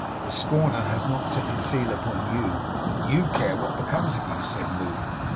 'The Scorner has not set his seal upon you. YOU care what becomes of you?' said Moddle.